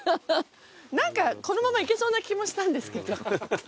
何かこのままいけそうな気もしたんですけど。